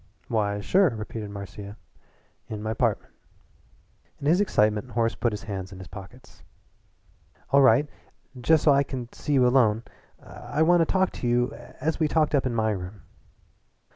"Why, sure," repeated Marcia, "in my 'partment." In his excitement Horace put his hands in his pockets. "All right just so I can see you alone. I want to talk to you as we talked up in my room."